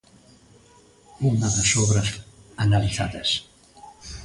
Unha das obras analizadas.